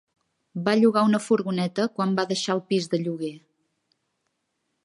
Va llogar una furgoneta quan va deixar el pis de lloguer.